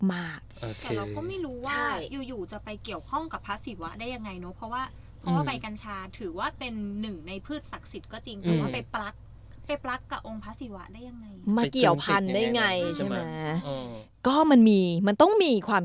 แต่ไม่รู้ว่าอยู่จะไปเกี่ยวข้องกับพระศิวะเราได้ยังไงเนาะ